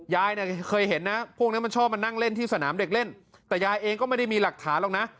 ยายเนี่ยเคยเห็นนะพวกนี้มันชอบมานั่งเล่นที่สนามเด็กเล่นแต่ยายเองก็ไม่ได้มีหลักฐานหรอกนะ